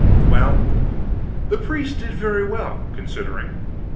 Well, the priest did very well, considering.